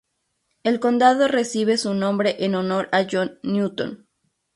El condado recibe su nombre en honor a John Newton.